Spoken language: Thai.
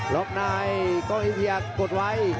ล็อคไนท์บองอีเซียกดไว้